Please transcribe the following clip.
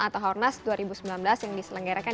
atau haornas dua ribu sembilan belas yang diselenggarakan